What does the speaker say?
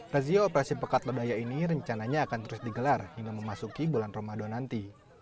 razia operasi pekat ledaya ini rencananya akan terus digelar hingga memasuki bulan ramadan nanti